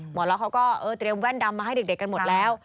หมอล็อกเขาก็เตรียมแว่นดำมาให้เด็กกันหมดแล้ว